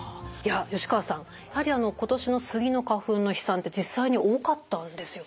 吉川さんやはり今年のスギの花粉の飛散って実際に多かったんですよね？